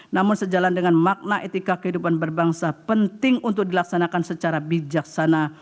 namun sejalan dengan makna etika kehidupan berbangsa penting untuk dilaksanakan secara bijaksana